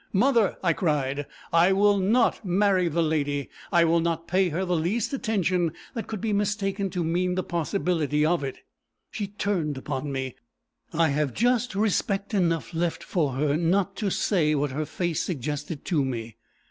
'Mother!' I cried, 'I will not marry the lady. I will not pay her the least attention that could be mistaken to mean the possibility of it.' She turned upon me. I have just respect enough left for her, not to say what her face suggested to me.